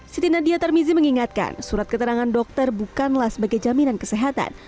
siti nadia tarmizi mengingatkan surat keterangan dokter bukanlah sebagai jaminan kesehatan